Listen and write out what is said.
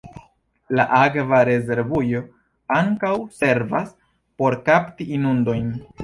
La akva rezervujo ankaŭ servas por kapti inundojn.